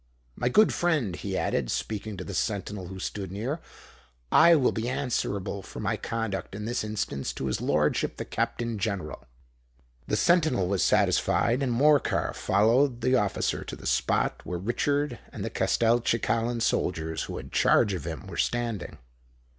My good friend," he added, speaking to the sentinel who stood near, "I will be answerable for my conduct in this instance to his lordship the Captain General." The sentinel was satisfied; and Morcar followed the officer to the spot where Richard and the Castelcicalan soldiers who had charge of him, were standing.